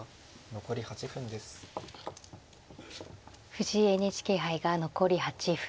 藤井ＮＨＫ杯が残り８分。